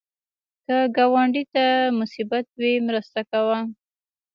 که ګاونډي ته مصیبت وي، مرسته کوه